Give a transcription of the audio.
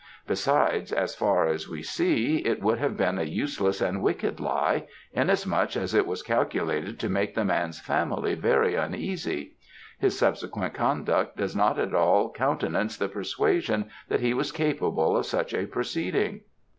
Besides, as far as we see, it would have been a useless and wicked lie, inasmuch as it was calculated to make the man's family very uneasy. His subsequent conduct does not at all countenance the persuasion that he was capable of such a proceeding.'